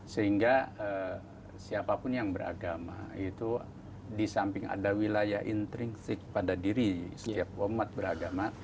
sehingga siapapun yang beragama itu di samping ada wilayah intrinsik pada diri setiap umat beragama